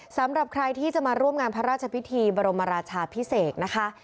สำหรับใครที่จะมาร่วมงานพระราชพิธีบรมราชาพิเศษนะคะ